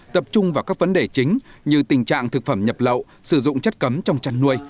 tập trung vào các vấn đề chính như tình trạng thực phẩm nhập lậu sử dụng chất cấm trong chăn nuôi